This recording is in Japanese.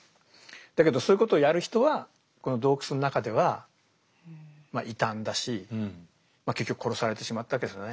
だけどそういうことをやる人はこの洞窟の中では異端だし結局殺されてしまったわけですよね